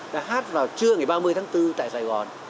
đã hát vào trưa ngày ba mươi tháng bốn tại sài gòn